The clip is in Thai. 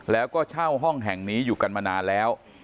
แล้วก็เช่าห้องแห่งนี้อยู่กันมานานแล้ว